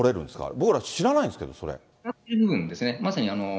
僕ら知らないんですけど、それ。